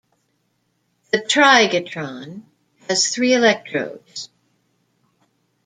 A trigatron has three electrodes.